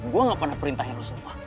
gue gak pernah perintahin lo semua